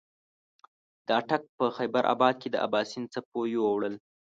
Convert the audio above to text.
د اټک په خېبر اباد کې د اباسین څپو یوړل.